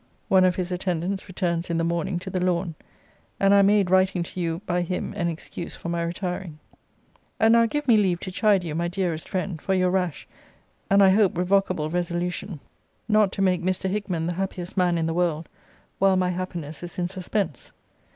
One of his attendants returns in the morning to The Lawn; and I made writing to you by him an excuse for my retiring. And now give me leave to chide you, my dearest friend, for your rash, and I hope revocable resolution not to make Mr. Hickman the happiest man in the world, while my happiness is in suspense.